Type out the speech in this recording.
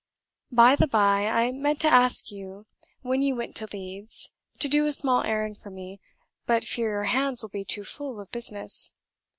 "By the bye, I meant to ask you when you went to Leeds, to do a small errand for me, but fear your hands will be too full of business.